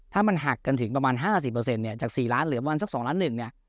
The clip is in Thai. ถ้ามันหักกันถึงประมาณห้าสิบเปอร์เซ็นต์เนี้ยจากสี่ล้านเหลือประมาณสักสองล้านหนึ่งเนี้ย